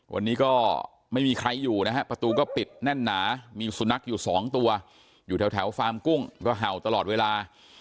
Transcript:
วันนี้ก็ไม่มีใครอยู่นะฮะประตูก็ปิดแน่นหนามีสุนัขอยู่สองตัวอยู่แถวฟาร์มกุ้งก็เห่าตลอดเวลา